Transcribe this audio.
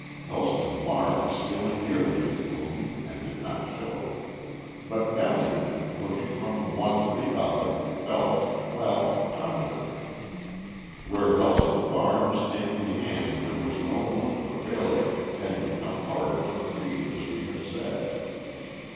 Helston Varne was feeling nearly as gloomy, and did not show it. But Melian, looking from one to the other, felt well, confident. Where Helston Varne was taking a hand there was no room for failure, had become part of her creed, as we have said.